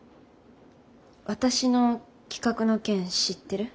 私の企画の件知ってる？